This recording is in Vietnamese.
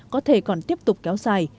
có thể còn tiếp tục kéo dài